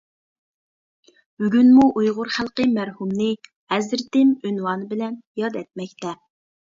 بۈگۈنمۇ ئۇيغۇر خەلقى مەرھۇمنى « ھەزرىتىم» ئۇنۋانى بىلەن يادا ئەتمەكتە.